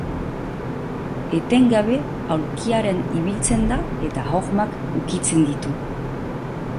Etengabe aulkiarekin ibiltzen da eta hormak ukitzen ditu.